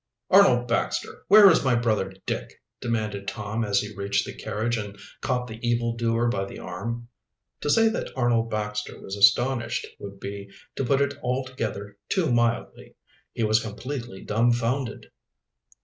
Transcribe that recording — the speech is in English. "Arnold Baxter, where is my brother Dick?" demanded Tom, as he reached the carriage and caught the evildoer by the arm. To say that Arnold Baxter was astonished would be to put it altogether too mildly. He was completely dumfounded.